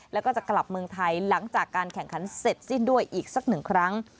แล้วก็จะกลับเมืองไทยหลังจากการแข่งขันเสร็จสิ้นด้วยอีกสักหนึ่งครั้ง